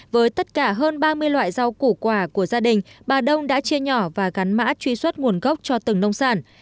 với tất cả hơn ba mươi loại rau củ quả của gia đình bà đông đã chia nhỏ và gắn mã truy xuất nguồn gốc cho từng nông sản